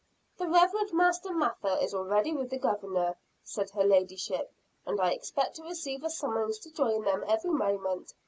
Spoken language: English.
"The Reverend Master Mather is already with the Governor," said her ladyship, "and I expect to receive a summons to join them every moment."